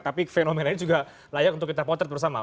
tapi fenomena ini juga layak untuk kita potret bersama